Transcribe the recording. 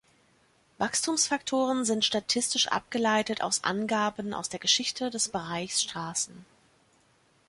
Wachstumsfaktoren sind statistisch abgeleitet aus Angaben aus der Geschichte des Bereichs Straßen.